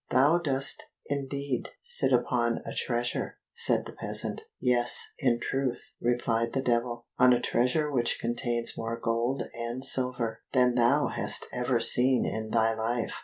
"Thou dost indeed sit upon a treasure!" said the peasant. "Yes, in truth," replied the Devil, "on a treasure which contains more gold and silver than thou hast ever seen in thy life!"